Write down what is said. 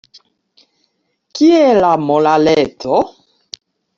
Kie la moraleco?